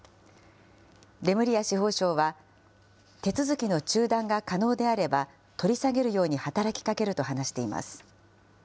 レムリア司法相は、手続きの中断が可能であれば、取り下げるように働きかけると話しています。